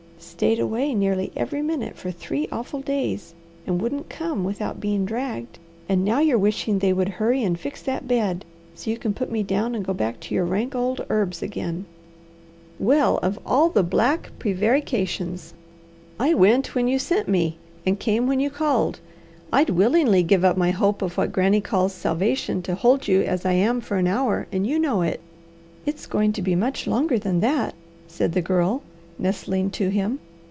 "Stayed away nearly every minute for three awful days, and wouldn't come without being dragged; and now you're wishing they would hurry and fix that bed, so you can put me down and go back to your rank old herbs again." "Well of all the black prevarications! I went when you sent me, and came when you called. I'd willingly give up my hope of what Granny calls 'salvation' to hold you as I am for an hour, and you know it." "It's going to be much longer than that," said the Girl nestling to him.